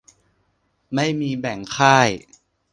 ไม่มีแบ่งค่าย